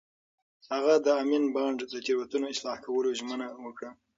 هغه د امین بانډ د تېروتنو اصلاح کولو ژمنه وکړه.